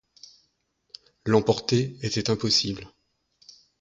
L'emporter était impossible.